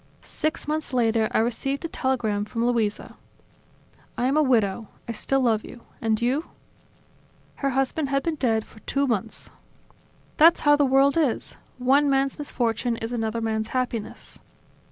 Six months later, I received a telegram from Luisa: "I am a widow. I still love you. And you?" Her husband had been dead for two months." "That's how the world is: one man's misfortune is another man's happiness."